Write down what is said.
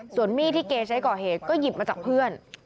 ส่วนมีดที่เกย์ใช้ก่อเหตุก็หยิบมาจากเพื่อน